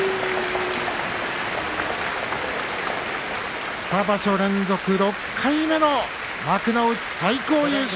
拍手２場所連続６回目の幕内最高優勝。